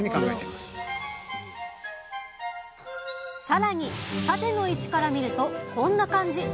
さらに縦の位置から見るとこんな感じ。